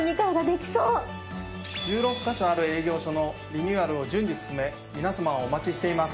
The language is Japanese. １６カ所ある営業所のリニューアルを順次進め皆様をお待ちしています。